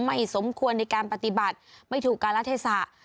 ไม่สมควรในการปฏิบัติไม่ถูกการรัฐเทศะ